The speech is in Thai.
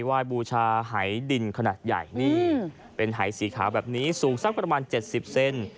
ไหว้บูชาหายดินขนาดใหญ่นี่เป็นหายสีขาวแบบนี้สูงสักประมาณ๗๐เซน